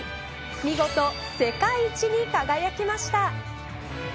見事、世界一に輝きました。